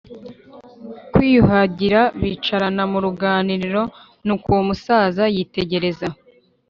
kwiyuhagira, bicarana mu ruganiriro nuko uwo musaza yitegereza